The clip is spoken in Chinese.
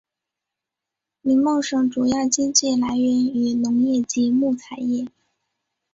林梦省主要经济来源于农业及木材业。